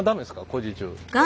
工事中。